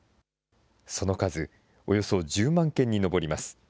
その数、およそ１０万件に上ります。